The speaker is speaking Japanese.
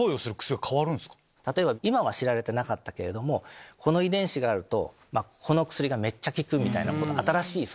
例えば今は知られてなかったけれどもこの遺伝子があるとこの薬がめっちゃ効く。